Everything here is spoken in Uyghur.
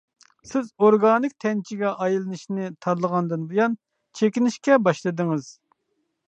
سىز ئورگانىك تەنچىگە ئايلىنىشنى تاللىغاندىن بۇيان چېكىنىشكە باشلىدىڭىز.